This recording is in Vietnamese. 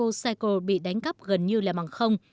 xe đạp trong ecocycle bị đánh cắp gần như là bằng không